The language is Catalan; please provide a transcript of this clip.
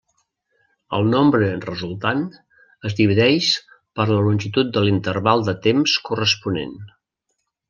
El nombre resultant es divideix per la longitud de l'interval de temps corresponent.